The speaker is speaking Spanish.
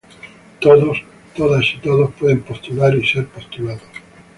Todas y todos pueden postular y ser postulados.